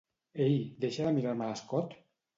Ei, deixa de mirar-me l'escot!